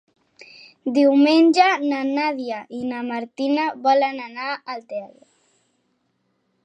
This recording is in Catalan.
Diumenge na Nàdia i na Martina volen anar al teatre.